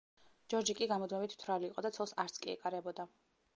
ჯორჯი კი გამუდმებით მთვრალი იყო და ცოლს არც კი ეკარებოდა.